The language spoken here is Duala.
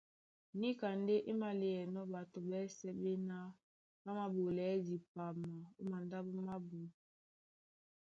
Níka ndé é máléanɔ́ ɓato ɓɛ́sɛ̄ ɓéná ɓá māɓolɛɛ́ dipama ó mandáɓo mábū;